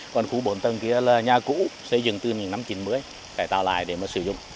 còn khu bốn tầng kia là nhà cũ xây dựng từ những năm chín mươi cải tạo lại để mà sử dụng